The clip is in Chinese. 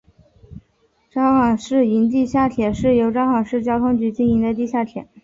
札幌市营地下铁是由札幌市交通局经营的地下铁。